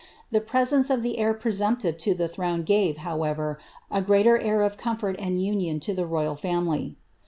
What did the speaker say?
The presence of the heir presumptive to the throne ga%'c, however, a greater air of comfort lod union to tlie royal family.